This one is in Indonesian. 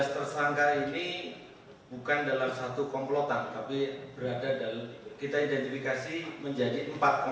enam belas tersangka ini bukan dalam satu komplotan tapi kita identifikasi menjadi empat komplotan